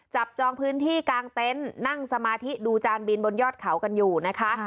จองพื้นที่กลางเต็นต์นั่งสมาธิดูจานบินบนยอดเขากันอยู่นะคะ